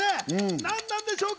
何なんでしょうか？